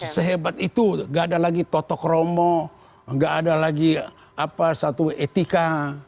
sehebat itu tidak ada lagi tatak rama tidak ada lagi satu etika